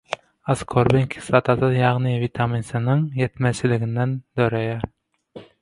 Askorbin kislotasy ýagny witamin c - niň ýetmezçiliginden döreýär.